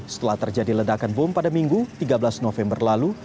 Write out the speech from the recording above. setelah terjadi ledakan bom pada minggu tiga belas november lalu